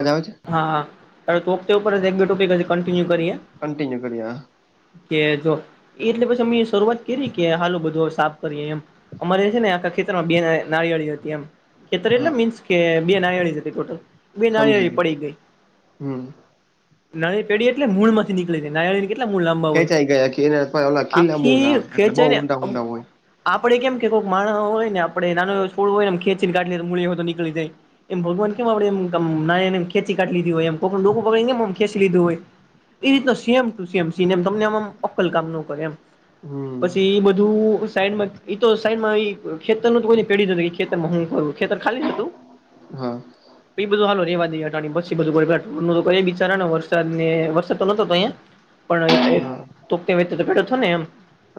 અવાજ આવે છે? હા હા હવે તોકતે ઉપર જ એક બે ટોપિક જ કન્ટિન્યુ કરીએ. કંટીન્યુ કરીએ હા કે જો એટલે પછી મેં શરૂઆત કરી કે હાલો બધું હવે સાફ કરીએ એમ. અમારે છે ને આખા ખેતરમાં બે ના નારિયળી હતી એમ. ખેતર એટલે હા મીન્સ કે બે નારિયળી જ હતી ટોટલ બે સમજી નારિયળી ગયો હમ હ નાળ પેઢી એટલે મૂળ માંથી નીકળી જાય નાયળીને કેટલા મૂળ લાંબા હોય ખેંચાઈ ગયા કે એના ઓલા ખીલા મૂળ આખી આવે ખે એટલે બહુ છે ને ઊંડા ઊંડા હોય આપડે કેમ કે કોઈક માણ હોય ને આપણે નાનું છોડું હોય ને ખેંચીને ગાઢ લ મૂી હોય તો નીકળી જાય એમ ભગવાન કેમ આપડે એમ ને ખેચી કાઢ લીધી હોય એમ લોકોમ ખેચી લીધું હોય એવી રીત સેમ ટ સમ સ તમને આ અક્કલ કામ ન કરે એમ હમ પછી બધું સાઈડમાં એતો સાઈડમાં ખેતર ન તો કોઈને પેઢું ખેતરમાં હ ખેતર ખાલી જ હતું હા એ બધું હાલો રેવા દઈટાણીી બચાર વરસાદ ને વરસાદ તો પણ પો હા થ ને એમ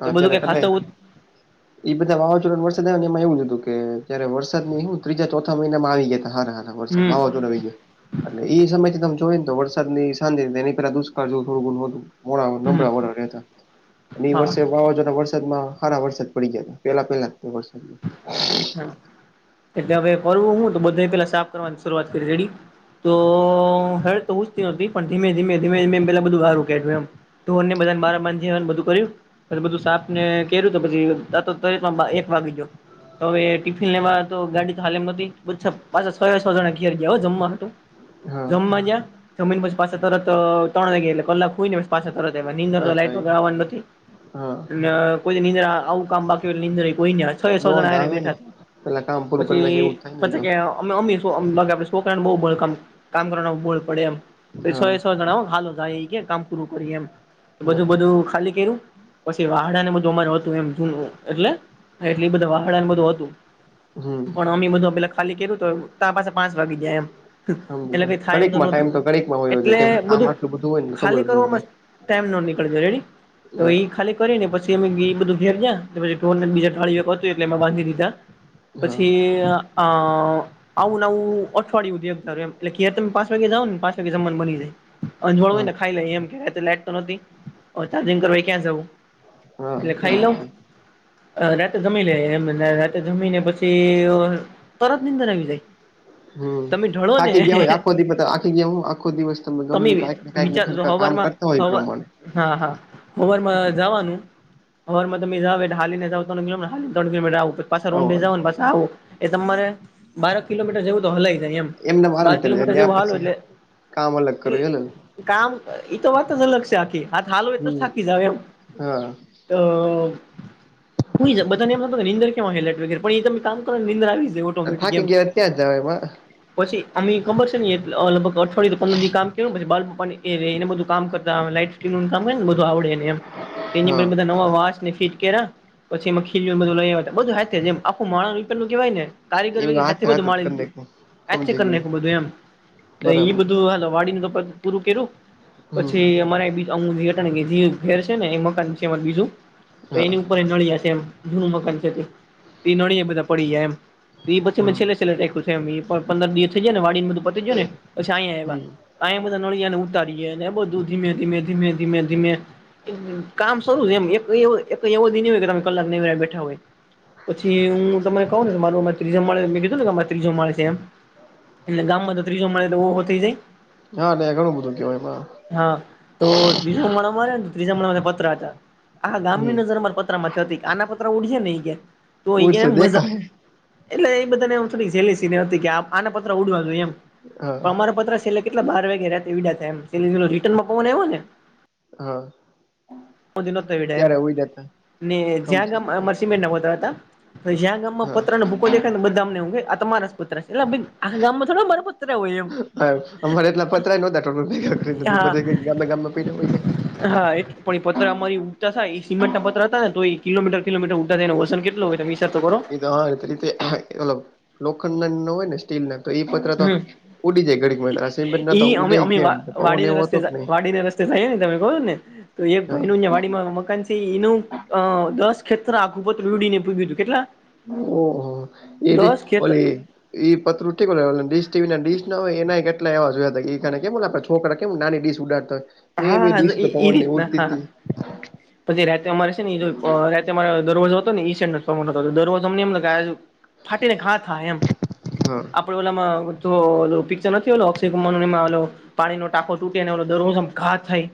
તો બધું અત્યારે ક એટલે ખાસ એ બધા વાવાઝોડા વરસાદ આવ એમાં એવું હતું કે જ્યારે વરસાદ ની હું ત્રીજા ચોથા મહિના માં આવી ગયા હતા હાર વરસાદ હમ વાવા જોડ ગાય એટલે એ સમય તમે જોઈ ને તો વરસાદ ની સાંજે એની પેલા દુ થોડું ઘ મોડા હમ નબળા વળ રહેતા એ હા વર્ષે વાવાઝોડા વર્ષ વરસાદમાં સાર વરસાદ પડી ગયા પેલા પેલા વરસાદમાં એટલે હવે કરવું હું તો બધા પેલા સાપ કરવાની શરૂઆત કરી છેેડી તો હર તો હું જતી નથીતી પણ ધીમે ધીમે ધીમે ધમે એ પેલા બધું સારું કેું એમ ધોરને બધાને બાર બાંધવાને બધું કર્યું અ બધું સાપ ને કે્યું તો પછી આ ત એક વાગી જો તો હવે ટિફિન લેવા તો ગાડીાલીમ પાછા છો છો જણા ઘિર ગયા જમવા હતું હા જમવાજ્યા જમીન પછ પાછ તત તણ ગલા કલાક કોઈને પાછ તરનીંદર પાછા લાઈટ વગર આવવાનું નથી હા કોઈ નીંદ્ર આવું કામ બાકી હો નીંદર કોઈ છ એ સો નોંધ જણાને આવે ને બેઠા હતા પેલા કામ પૂરું કરી પછી નાખે એવું જ થાય પ ને તો અમે અમી શે છોકરાને બહુ બ કામ કામ કરવા બળ પડે એમ તો સો હા એ સો જણા હાલો જાય એ કે કામ પૂરું કરી એમ બધું હા બધું ખાલી કર્યું પછી વાહડા ને બધું અમાર હતું એમ જૂનું એટલે એટલે બધા વાહાડા ને બધું હતું. હમ પણ હ અમ્ી બધું પે ખાલી કેું તો ત પાસે પાંચ વાગી જાય એમ સમજી ગયો એટ. ય એમ તો ન ઘડીકમાં ટાઈમ ઘડીકમાં વયો જાય એટલે કેમ કે આમ બધું આટલું હોય ને ખબર ખાલી જ ન રહે કરસ્. ટાઈમ ન નીકળજો રેડી તો હા એ ખાલી કરીને પછી અમે બધું ઘેર જયા પછી ઢ બીજા. ગાળિ હતું એટલે મે બાંધી દીધા હા પછી આ. આવું ને આવું અઠવાડિયું દે એકાર એમ એટલે ખાર તમે પાચ વાગે જાવ ને પાચ વાગે જમવા બની જાય. અ હા જોડને ખાઈ લ એમ કે લાઈટ તો નથી ચાર્જિંગ કરવા ક્યાં જવું. હા એટલે બ. ખાઈ લઉં રાતે જમી લે એમ રાતે જમી ને પછી તરત નીંદર આવી જાય. હમ તમે ણો ને થાકી ગયા હોય આખો દિવસ થાકી ગયા હું આખો દિવસ તમે ગમને કાંઈક ને કાંઈક ને વિચાર કાંઈક કામ સવારમાં. કરતા હોય એ હવા પ્રમાણે હા હા હોવારમાં જવાનું. હોર તોમે જાવ હાનેાવ હા કિલો પાછ રો જ. આવું એ તમારે બાર કિલોમીટર જવું તો હલાય જાય એમ. એમને આરામ બાર થયો છે કિલોમીટર ત્યાં જેવું હાલો પછી એટલે કામ અલગ કરવ એટલે છેને. કામ એ તો વાત જ અલગ છે આખી હા હાલ હોય એટ તો હમ થાકી જાવ એમ. હા તો. કોઈ બધાનેમ નિંદર. ટ પણ ક કર કરવા નિંદ આવી. ઓટોમેટિક થાકી એમ ગયા ત્યાં જવા એમાં. પછી અમ ખબર છે ને લગભગ અઠવાડિયથી પંદર કામ કેું ને પ બાલપને એને બધું કામ કરતા લાઈટ. મને બધું હા આવડેનેધ નને ફટ કર. પછી એમાં ખીલ બધ લઈય બધું જેમ આખું માણું કેવાય ને. કારીગર એવું વ હાથે બધું હાથ જ મા કરી લીધું નાખ્યું હ સમજી ગયો કરીનેું બધું એમ. એ બરાબર બધું હાલ વાડીને તો પૂરું કર્યું હમ પછી અમારે બીજું. અમ ઘેર છે ને એ મકાન છે એ બીજું તો હા એની ઉપર નળિયા. જૂનું મકાન છે એ નળિયા બધા પડી જાય એમ પછી મે હમ છેલ્લે છેલ્લેખ. પંદર દિવસ થઈાય ને વાડી ને બધું પત જાય ને પછી અંયા એવા. હમ અ બધ નળી ને ઉતારીએ એને બધ ધીમે ધીમે ધીમે ધીમે ધીમે. કામ શું છે એમ એક એવો દ તમે લાક બેઠા હોય, પછી હું તને કહું ને મા ત્રીજો મળે મેં કીધું ને ગામમાં ત્રીજો મળે છે એમ, એ ગામમાં તો ત્રીજો મળે તોો થઈ જાય. હા ન ઘણું બધું કેવાયમાં. હા, તો ત્રીજારે ત્રીજા મ પત્ર હતા, આ ગામની હમ નજર અમા પ આના પત્ર ઉડી નેયા, તો અયા ઉડશે મ દેખાય એટલે એ બધાને થોડી સલેસી આને પત્ર ઉડવા જો એમ, પણ હા અમા પલે કેટલા બાર વાગ્યા રાતે વિડા થાયમ રિટર્માં આવ ને. હા હ ન વિડા એમ, ત્યારે ઉઈ જતા ને જ્યાં સમજી ગામ ગયા તા. અમારા જ્યાં ગામમાં હા પત્ર ને બધા ને એું આ તમારા પુત્ર છે એ આ ગામમાં થોડા મારા પુત્ર હોય. એમ હા અમારે એટલા પતરાય નતા ભગા હા બધ ગમે ગામમાં પડા હોય. હા એ પણ એ પત્ર અમારી ઉગતા થ સિમેન્ટ ના પત્ર હતા ને તો એ કિમીટર કિમીટ ઉઊડા થાય એ વસનટુંય તમેસર તો કરો. એ હા રીતેલબ લોખંડ નો હોય ને. તો એ પત્ર તો હમ ઉડી જાય ઘડી તો ઈ અમે ઉડે કેમ પવન એવો હતો કે નહી. થ ને તમે કો ને તો એક હા ભાઈ નં વાડીમાં મકાન છે, એનું દસ ખેતત્ર આખું પત્ર રીડીને પૂગ્યું હતું કેટલા? ઓહો એ રી દસ ખેત ઓલી ઈ પતરુંઠ ટીવી ના ડીશ ના હોય એના એટલે એવા જો હતા કેમ છોકરા કેમ નાની ડીશ ઉડાડતો. એમ હા હા દશ તો એ પવન ની રીતના ઉરતી હા હા થી. પછી રાતે અમારે શેને ઈ અ રાતે અમારો દરવાજો હતો નેઈ જે ને [unintelligible] દરવાજો અમને એમ લે ઢાંકી ને ઘા થા એમ હ આપડે ઓલામાં તો પિક્ચર નથી ઓલો અક્ષય કુમાર નો ઓલો પાણી નો ટાકો તૂટે ને ઓલો દરવાજો ધમ ઘા થાય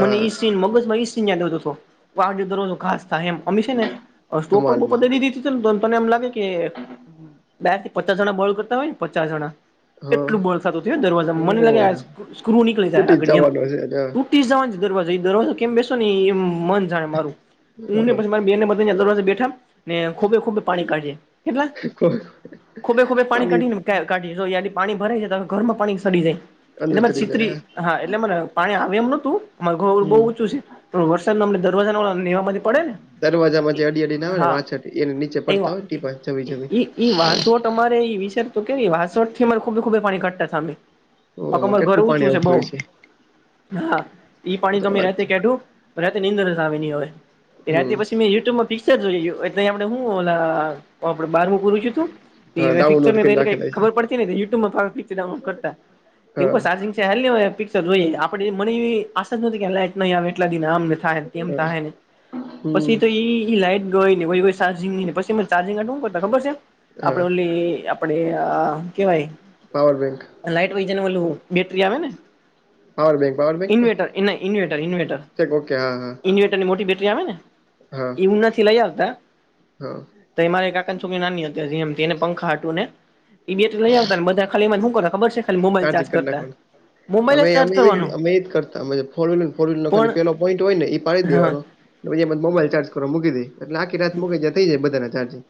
મને ઈ સીન મગજ માં ઈ સીન યાદ આવતો તો કે આે દરરોજો ઘા થાય એમ અમી છે ને સ્ટોપર બોપર ધમાલમાં દઈ દીધી ને તો તને એમ લાગે કે ડાયક પચાસ જણા બોલ કરતા હોય ને પચાસ જણા હા એટલું બળખાતું તું દરવાજામા મને ઓહો લાગતું તું આ સ્ક્રુ નીકળી જાય તૂટી આગળી એમ [unintelligible] [unintelligible] જવાનો દરવાજા એ દરવાજો કેમ બેસો ને એમ મારું મન જાણે હા, હું ને પછી મારી બેને બ [unintelligible] દરવાજે બેઠા ને ખોબે ખોબે પાણી કાઢીયે કેટલા હા. ખોબે ખોબે પાણી કાઢી ને કાઢીયે સો પાણી ભરાય જાય તો ઘરમાં પાણી ચડી જાય અંદર એટલે મારે ચડી જાય છતરી હા એટલે મને પાણી આવે એમ નતું મારુ ઘર બો હમ ઊંચું છે પણ વરસાદ મા અમને દરવાજા ના ઓલા નેવડા મા થી પડે ને દરવાજામાં જે અડી અડી ના આવે ને હા વાછટ એન નીચે પડતા એવા હોય ને ટીપા જમી જમી તમારે એ વિચાર તો કે વાસટ થી અરે ખોબે ખોબે પાણી કાતા તા અમે ઓહો [unintelligible] ઘર કેટલું પાણી ઊંચું છે આવતું બોઉ હોય હા ઈ એ તો પાણી અમે વાત રાતે છે કઢું રાતે નીદર જ આવે ની હવે યે રાતે હમ પછી મેં યુટ્યુબમાં પિક્ચર જોઈલુ એટલે અમને હુ ઓલા અ આપરે બારમૂ [unintelligible] ઈ હા પીચર ડાઉનલોડ કરીને રાખેલા છે ખબર પડતી નથી યોઉટુંબ પર પીચર ડઉનલોડ કરતા એવું હા ચારજિંગ છે હ પિક્ચર જોઈએ આપ મને એવી આશા જ નથી કે લાઈટ નહી આવે એટલા દિ આમ ને તેમ થા હે ને એમ હા. થા હે ને હમ પછી તો ઈ લાઈટ [unintelligible] ચારચિંગ પછી એમ ચારેચીગ માટે હુ કરતા ખબર છે હા આપરે ઓલી આપડે આ કેવાય, પાવર બેંક લાઈટ વય જન વલું બેટરી આવે ને. પાવર બેંક પર. ઇન્વેટર એ ના ઈન્વેટર ઇન્વેર્ટર, ઓકે હા હા ઈઇન્વેટર ની મોટી બેટરી આવે ને. હા ઈમના થી લઈ આવતા હા તો એરે એક કાકન છોકરી નાની હતી જેમ એને પંખા હટ્યું ને એ બેટરી લઈ આવતા બધા ખાલી હું ખબર છે ખાલી મોબાઈલ ચાર્જ ચાર્જિંગ કરી કરતા નાખવાનું મોબાઈલ જ અમે ચાર્જ એ જ કરવાનો અમે એજ કરતા ફોર વ્લર ફર્હીલ ન ખાલી પણ પેલો પોઈન્ટ હોય ને એ પાડી હા દેવાનું પછી મોબાઈલ ચાર્જ કરવા મકી દે એલે આખી રાત મૂકે એટલે થઈ જાય બધાના ચ્જિંગ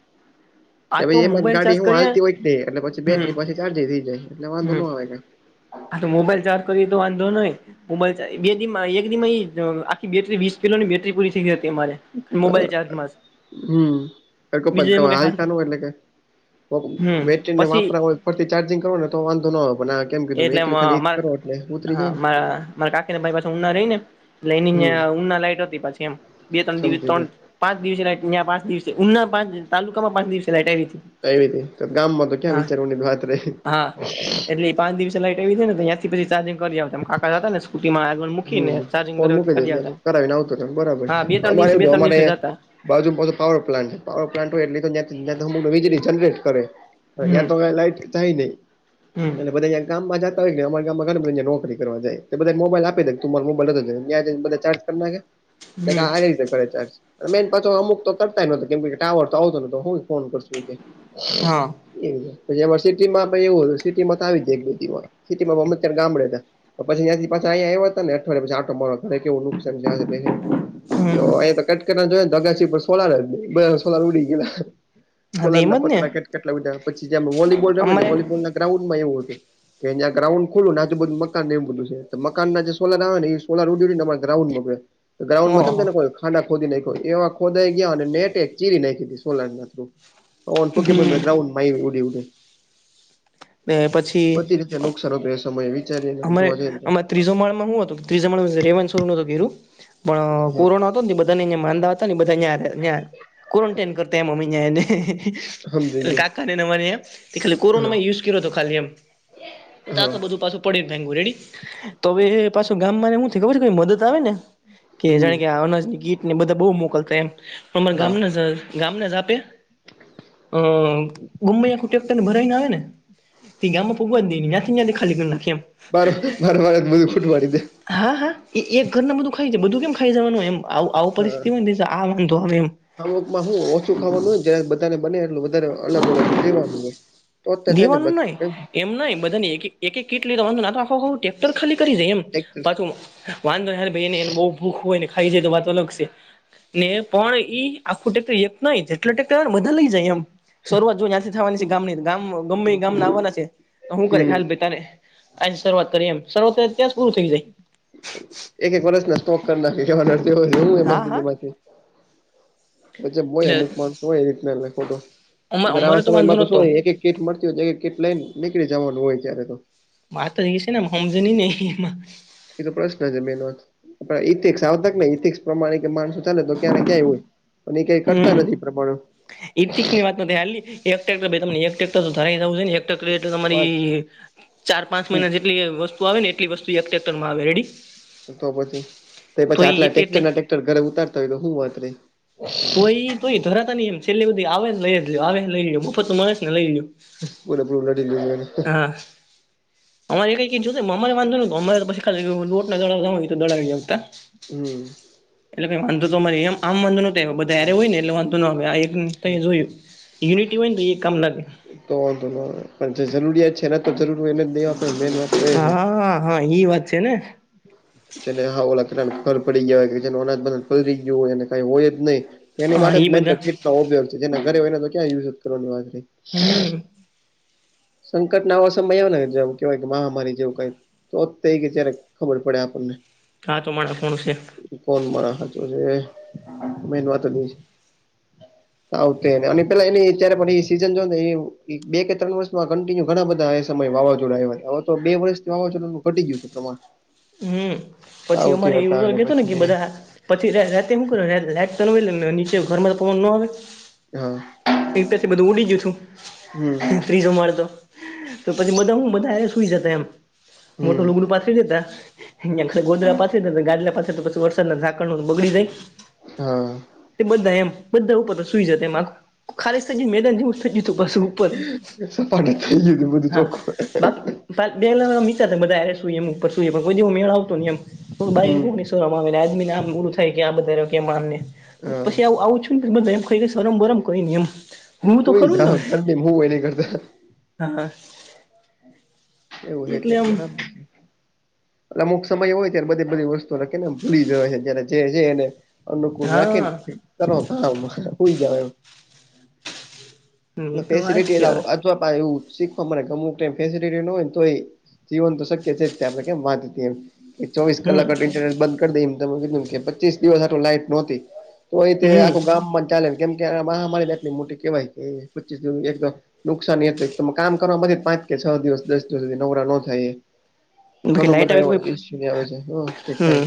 આ તો પછ એમાં જ મોબાઈલ ગાડી ચાર્જ હું કરીએ હાલતી હોય ન એટલે પછી હમ બેટરી પછી ચાર્જ થઈ જાય એટલે વાંધો ન કાંઈ. આ તો મોબાઈલ ચાર્જ કરીએ તો વાંધો નય મોબાઈલ બે દ એક દિ આખી બેટરી વીસ કિલોની બેટરી પૂરી થઈ ગઈ હતી અમારે અ, મોબાઈલ ચાર્જમાં જ બીજું એમાં કઈ હાલ એટ હમ બેટરીને પછી વાપરા ફર ચાર્જિંગ કરોને તો વાંધો ન હોય પન આ કેમ કીધું મેં એટલે મ એકલી ખાલી એક માર કરો એટલે ઉતરી જાય હારા ને મારા કાકીને ભાઈ પાછ ઊના રહી ને એટલે એની હમ ઉના લાઈટ હતી પાછી એમ બે ત્રણ સમજી ગયો દિવસ ત્રણ પાંચ દિવસે લાઈટ પાંચ દિવસે ઉના પાંચ તાલુકામાં પાંચ દિવસે લાઈટ આવી હતી કઈ રીતે તો ગામમાં તો ક્યાં હા વિચારવાની વાત રહી પાચ દિવસે લાઈટ આવી હતી ને ત્યાંથી પછ ચાર્જંગ જાવ ત કાકા હતા ને સ્કુટીમાં. હમ ફોન મૂકી દે તં કરાવીને આવતો ત બરાબર હા બે ત્રણ અમારે દિવસે એવું બે ત્રણ અમારે દિવસે જતા બાજુ પાવર પ્લાન્ટ પાવર પ્લાન્ટ હોય એટલે ત વીજળી જનરેટ કરે હમ ત્યાં તો ક લાઈટ થાય નહી હમ અને બધા ગામ માં જતા હોય કે અરા ગામ ઘ બધીને નોકરી કરવા જાય તો બધા મોબાઈલ આપ [unintelligible] મોબાઈલ [unintelligible] ચાર્જ હમ ના રી ચાર્જ મેન પાછો અમુક તો કરતા નોતો કેમ ટાવર તો આવતો નતો હું ફોન કરશું એજે હા એ પછી સિટી માં એવું હતું સિટીમાં તો આવી એક સિટીમાંમે અત્યારે ગામડે હતા તો પછી અહીંયાથી પાછા અહીયા આયવા ને અઠવાડયા પછી આટો મારવા ઘરે કેવું નુકસાન છે તો હમ અ તો કટ કરને જોય ને દગા સી સોલાર જ સોલાર ઉડી ગલા હા તો સોલાર એમ ના જ ને પત્ર કેટ કેટલા ઉડ્યા પછી જે વલીબોલ ગમે ને અમારે વોલીબોલ ગ્રાઉન્ડમાં એવું હત કેં ગ્રાઉન્ડ ખોલું આજુધુ મકાન એવું બધું છે મકાન ના જે સોલર આવે ને સોલર ઉ ગ્રાઉન્ડમાં ગ્રઉન્ડમાં કેમ ઓહ ને કો. ખાડા ખોદી નાખ એવા ખોદાઈ ગયા અને નેટ એક ચીરી નાયખી સોલર ના થ્રુ પો [unintelligible] હમ ગ્રઉન્ડમાં ઉડી ઉડે. ને પછી. [unintelligible] બે સમય એવી અમારે અમા ત્રીજો માળમાં હું હતો ત્રીજો માળ રેવાન સોર ન ગીરુ પણ કોરોના. બધાને માંદા હતા ને [unintelligible] ક્વોરન્ટાઈમ કરતા મમ્મીને. હા સમજી એટલે ગયો કાકા ને ખાલી કોરોના હા માં યુઝ કર્યો હતો ખાલી એમ. તા હા તો બધું પાછું. પડી ભાયગું રેડી તો હવે પાછું ગામમાં હું ખબર છે કે મદદ આવે ને. કે હમ જાણે કે અનાજની કીટ ને બધા બહુ મોકલતા એમ હા ગામ જ ગામને જ આપે. અ ગમ આંખું ટેક્ટરને ભરાવી ને આવે ને તે ગામમાં ફગવાઈ ને જ્યાંથી જ્યાંથી ખાલી કરી નાખી એમ. બરવાર બરવાર બધું ખૂટ પાડી દે. હા હા એ એક ઘર બધું ખાઈ છે બધું કેમ ખાઈ જવાનું એમ. આવું હા પરિસ્થિતિ હોય ને આ વાંધો આવે એમ અમુકમાં હું ઓછું ખાવાનું જ બને એટલું વધારે અલગ અલગ લેવાનું હોય. તો જ થાય ને દેવાનું બાકી નહી તો એમ ન બધાને એક એક એક કીટ લીધેવાનું તો આખો ખું ટેક્ટર ખાલી કરી જાય એમ. કઈ પાછું વાંધો ને ભ એને એ બહ ભૂખ હોય ને ખાઈ જાય તો વાત અલગ છે. ને પણ ઈ આખું ટેક્ટર એક નહી જેટલો ટેક્ટર આવેને બધા લઈ જાય એમ. શરૂઆત જો જ્યાંથી થવાની છે ગામની ગામ ગમે ગામ ના આવવાના છે. શું કરે હમ ખાલ ભાઈ તારે આજ શરૂઆત કરી એમ શરૂઆત ત્યાં પૂરું થઈ જાય. એક એક વર્ષના સ્ટોક કાઢી નાંખે એવુ હા એમાંથી હા તેંમાંથી. એતો હોય એટલે અમુક માણસો હોય એ રીત ફોટો અત્યાર આવા અમારે વાંધો સમયમાં તો શું નતો હોય એક એક. કેટ મળતી હોય કેટ લઈને નીકળી જવાનું હોય ત્યારે તો. મા તો ઈ છેન સમજેની નહી. એ તો પ્રશ્ન છે બેનો, એક એક સાર્થક ને પ્રમાણે માણસો ચાલે તો ક્યાંને ક્યાંય હોય પણ એ કઈ કરતા નથી પ્રમાણ. ઈકટીક ની વાત બે હાલી એકકર ત એક્ટર તોરા ને તો તમારી વાત છે ચાર પાંચ મહિના જેટલી વસ્ આવે ને એટલી વસ્તુ એકતર માં આવે રેડી. તો પછી તો પછી એ આટલા એટ ટટેક્ટર એટલે ના ટટેક્ટર ઘરે ઉતારતા હોય તો શું વાત રે. તો એ તો ઈ ધરાતા ન એમ છેલ્લી બધી આવે ન લઈ લો આવે ન લઈ લો મફત મળે ને લઈ લ્યો. ભોલે ભૂલના ડિલીઓને. હા, અમારે કઈ ક જો મામારી વાંધો નેરે તો પછી ખાલી લોટ દળાવ હોય તો દડાવ લે કા? હમ્મ. એટલે કઈ વાંધો તો અમાર એમ આમ વાંધો નોતો આયવો બધા હાયરે હોય ન એટલે વાંધ ન આવે આ એક તા જોયું યુનિટી હોય ને તો એ કામ લાગે. તોંધો પણ જે જરૂરિયાત છે એના તો જરૂર હોય એને જ દેવા પણ મેન વાત તો એ છે. હા હા એ વાત છે ને. જેને હા ઓ કેર પડી ગયા હોય કે જે અનાજ પ ગયો હોય કઈ હોય જ નહી. એની હા માટે જ ઈ મેન તો બધા કીટ નો ઉપયોગ છે જેના ઘરે હોય ને તો ક્યાં યુઝ જ કરવાની વાત હોય. હમ્મ. સંકટ ના આવો સમય આવે ને જે કેવાય કે મહામારી જેવું કઈક. તોત કે જ્યારે ખબર પડે આપણને. હા તો મારા ફોનશે. કોણ મારા હચો છે મેન વાતો નું આવતે અને પેલા એની અત્યારે પણ એ સીઝન જો ને બે કે ત્રણ વસ્ત કિન્યુ ઘણા બધા એ સમય વાવાઝોડા આવ્યા હતા હવે તો બે વર્ષથી વાવાઝોડાનું ઘટી ગયું છે પ્રમાણ. હમ્મ, પછી આવતી અમારે હતા ઉગર અને કેતો ને કે પછી બધા પછી રાતે શું કર લાઈટ બનવાઈ લ નીચે ઘરમાં તો પવન ન આવે. હા એક પછી બધું ઉડી ગયું હતું. હમ ત્રીજો મારતો તો પછી બધા હું બધા સુઈ જતા એમ હમ મોટું લુગડું પાથ ગોધરા પાસે જ ગાજરા પાસે પછી વરસાદ નાઝાંણ બગડી જાય. હા. તે બધા એમ બધા ઉપર તો સુઈ જતા એમ. ખાલી સજ મેદાન જેવું થજું હતું પાછું ઉપર, સપાટ થઈ ગયું તું બધું હા. ચોખ્ખું બાકી બેલા મીચા બધારે શું એમ ઉપર સૂઈ. બધી મેળ આવતું ને એમ તો બાઈને હમ કોક સરવામાં આવે આજમીને આમ ગુરું થાય કે આ બધારે કેમ આમને હા પછી આવું આવું છું ને એમ શરમ બરમ કઈને એમ હું તો ખરું ને. તેન કરતો. હાહા. એવું હે ત્યારે તે બરાબર. એટલે અમુક સમય હોય ત્યારે બધી બધી વસ્તુઓ લખેને ભૂલી જવા છે જ્યારે જે છે એને. અમુક રાખે ન હા કરાવત તોમ હોઈ જા એમ. એ તો વાત ફેસિલટી એ છે હવે અથવા એવું શીખવા ગમ ફેસિલટી ન હોય. તો એ જીવન તો શક્ય છે જ આપણે કેમ વાતમ કે ચોવીસ હમ કલાક ઇન્ટરનેટ બંધ કરી દઈને તમે કીધું કે પચીસ દિવસ આટ લાઈટ નોતી. તો એ હમ આખું ગામ ચાલેને કેમ કે મહામારી મોટી કેહેવાય પચીસ [inaudible] નુકસાન એટ કામ કરવામાંથી પાંચ કે છ દિવસ દસ દિવસ સુધી નવરા ન થાય એ. બાકી ઘણ લાઈટ બધા આવે તો કોઈ એ ઈસુ આવે છે હા ક હમ થાય.